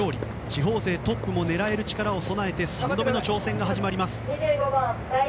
地方勢トップも狙える力を備えて３度目の挑戦が始まります。